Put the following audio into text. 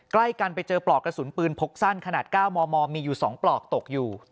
ใกล้กันไปเจอปลอกกระสุนปืนพกสั้นขนาด๙มมมีอยู่๒ปลอกตกอยู่